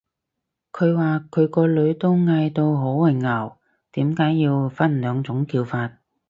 佢話佢個女都嗌到好混淆，點解要分兩種叫法